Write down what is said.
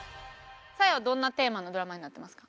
サーヤはどんなテーマのドラマになってますか？